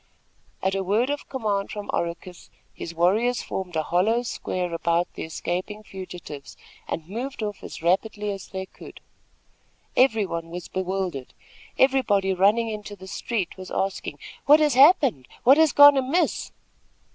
At a word of command from Oracus his warriors formed a hollow square about the escaping fugitives, and moved off as rapidly as they could. Everybody was bewildered. Everybody running into the street was asking: "What has happened? What has gone amiss?"